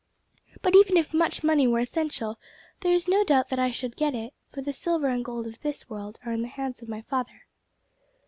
But even if much money were essential, there is no doubt that I should get it, for the silver and gold of this world are in the hands of my Father."